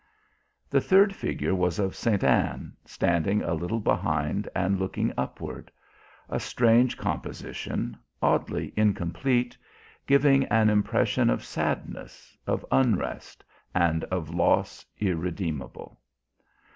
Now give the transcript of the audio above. The third figure was of Saint Anne, standing a little behind and looking upward. A strange composition, oddly incomplete, giving an impression of sadness, of unrest and of loss irredeemable.